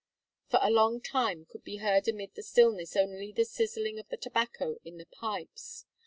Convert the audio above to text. For a long time could be heard amid the stillness only the sizzling of the tobacco in the pipes.